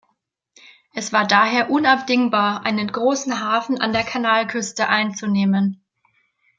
Es war daher unabdingbar, einen großen Hafen an der Kanalküste einzunehmen.